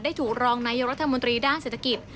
ถูกรองนายรัฐมนตรีด้านเศรษฐกิจ